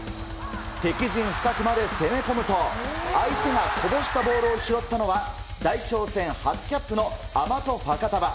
敵陣深くまで攻め込むと、相手がこぼしたボールを拾ったのは、代表戦初キャップのアマト・ファカタヴァ。